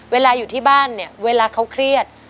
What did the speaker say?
เวลาอยู่ที่บ้านเวลาเขาเครียด